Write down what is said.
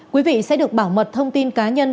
quý vị sẽ được bảo mật thông tin cá nhân